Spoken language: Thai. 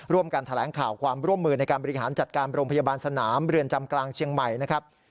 ร่วมกันแถลงข่าวความร่วมมือในการบริหารจัดการโรงพยาบาลสนามเรือนจำกลางเชียงใหม่นะครับ